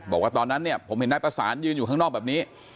บอกว่าตอนนั้นเนี่ยผมเห็นนายประสานยืนอยู่ข้างนอกแบบนี้